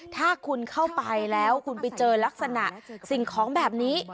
ถ้าคุณเข้าไปแล้วคุณไปเจอลักษณะสิ่งของแบบนี้